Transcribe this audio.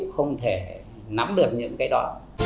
không thể nắm được những cái đó